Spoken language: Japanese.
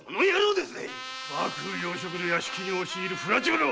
幕府要職の屋敷に押し入る不埒者！